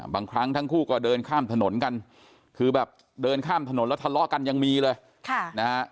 บางครั้งทั้งคู่ก็เดินข้ามถนนกันคือแบบเดินข้ามถนนแล้วทะเลาะกันยังมีเลยค่ะนะฮะ